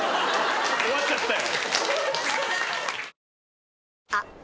終わっちゃったよ。